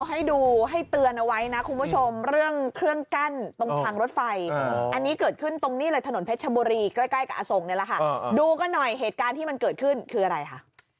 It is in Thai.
ให้ดูให้เตือนเอาไว้นะคุณผู้ชมเรื่องเครื่องกั้นตรงทางรถไฟอันนี้เกิดขึ้นตรงนี้เลยถนนเพชรชบุรีใกล้กับอทรงนี่แหละค่ะดูกันหน่อยเหตุการณ์ที่มันเกิดขึ้นคืออะไรคะ